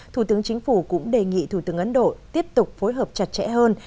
thủ tướng chính phủ cũng đề nghị thủ tướng ấn độ tiếp tục phối hợp chặt chẽ hơn